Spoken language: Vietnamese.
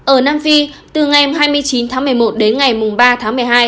ở nam phi từ ngày hai mươi chín tháng một mươi một đến ngày ba tháng một mươi hai